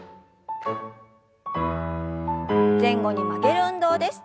前後に曲げる運動です。